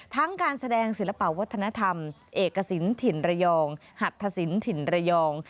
การแสดงศิลปะวัฒนธรรมเอกสินถิ่นระยองหัตถสินถิ่นระยอง